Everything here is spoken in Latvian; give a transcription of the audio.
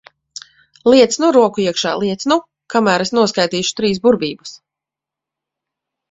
Liec nu roku iekšā, liec nu! Kamēr es noskaitīšu trīs burvības.